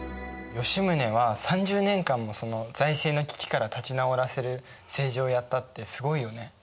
吉宗は３０年間も財政の危機から立ち直らせる政治をやったってすごいよね。